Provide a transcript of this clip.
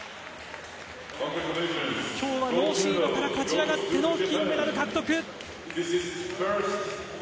きょうはノーシードから勝ち上がっての金メダル獲得。